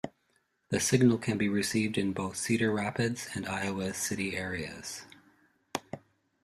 The signal can be received in both the Cedar Rapids and Iowa City areas.